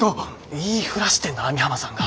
言いふらしてんだ網浜さんが。